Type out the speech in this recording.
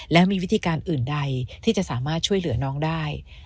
และมีวิธีการอื่นใดที่จะสามารถช่วยเหลือน้องได้